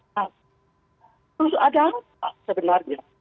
terus ada hal sebenarnya